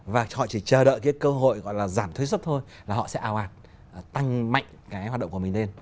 và họ chỉ chờ đợi cơ hội gọi là giảm thuế xuất thôi là họ sẽ ào hạt tăng mạnh hoạt động của mình lên